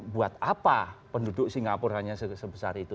buat apa penduduk singapura hanya sebesar itu